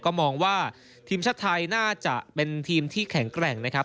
ก็มองว่าทีมชาติไทยน่าจะเป็นทีมที่แข็งแกร่งนะครับ